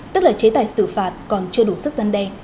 tức là chế tài xử phạt còn chưa đủ sức gian đe